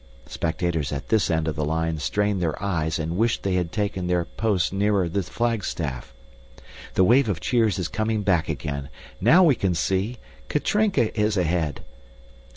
Spectators at this end of the line strain their eyes and wish they had taken their post nearer the flagstaff. The wave of cheers is coming back again. Now we can see. Katrinka is ahead!